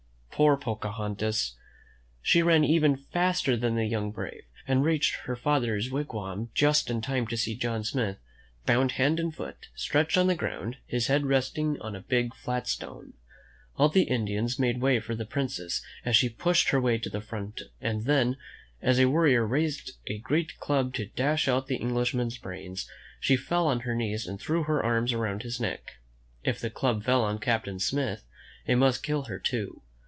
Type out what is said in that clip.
Poor Pocahontas! She ran even faster than the young brave, and reached her father's wig wam just in time to see John Smith, bound hand and foot, stretched on the ground, his head resting on a big, flat stone. All the Indians made way for the Princess as she pushed her way to the front, and then, as a warrior raised a great club to dash out the Englishman's brains, she fell on her knees and threw her arms around iO^ THE MEN WHO FOUND AME RICA mon^ his neck. If the club fell on Captain Smith, it must kill her too.